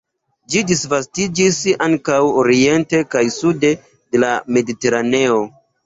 Ĝi disvastiĝis ankaŭ oriente kaj sude de la Mediteraneo.